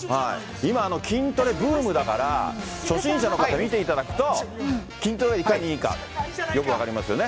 今、筋トレブームだから、初心者の方、見ていただくと、筋トレがいかにいいかよく分かりますよね。